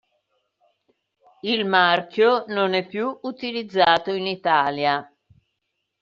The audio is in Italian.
Il marchio non è più utilizzato in Italia.